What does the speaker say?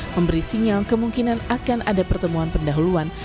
memberi sinyal kemungkinan akan ada pertemuan pendahuluan